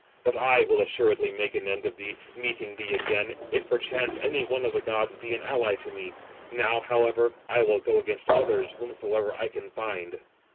But I will assuredly make an end of thee, meeting thee again, if perchance any one of the gods be an ally to me. Now, however, I will go against others, whomsoever I can find."